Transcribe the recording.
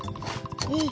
えっ？